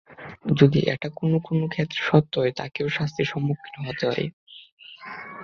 যদি এটা কোনো কোনো ক্ষেত্রে সত্য হয়, তাকেও শাস্তির সম্মুখীন হতে হবে।